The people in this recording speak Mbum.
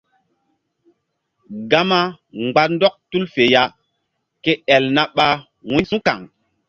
Gama mgba ndɔk tul fe ya ke el na ɓa wu̧y su̧kaŋ.